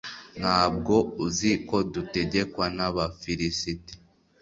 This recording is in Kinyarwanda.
nta bwo uzi ko dutegekwa n'abafilisiti